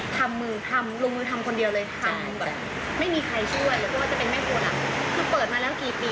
ความมีคุณภาพของอาหาร